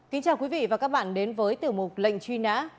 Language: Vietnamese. xin chào quý vị và các bạn đến với tử mục lệnh truy nã